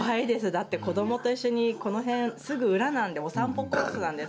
だって子どもと一緒に、この辺、すぐ裏なんで、お散歩コースなんです。